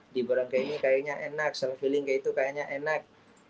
di borangke ini kayaknya enak self healing kayaknya enak